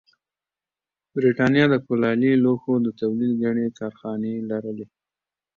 برېټانیا د کولالي لوښو د تولید ګڼې کارخانې لرلې